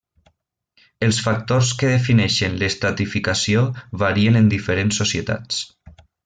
Els factors que defineixen l'estratificació varien en diferents societats.